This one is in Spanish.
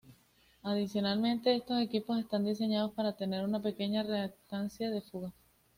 Adicionalmente, estos equipos están diseñados para tener una pequeña reactancia de fuga.